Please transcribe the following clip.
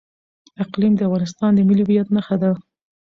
اقلیم د افغانستان د ملي هویت نښه ده.